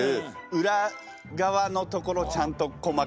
裏側のところちゃんと細かくかいてる。